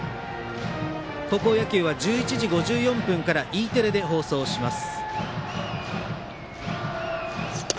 高校野球は１１時５４分からＥテレで放送します。